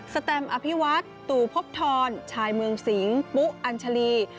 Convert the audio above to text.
แตมอภิวัตตู่พบทรชายเมืองสิงปุ๊อัญชาลี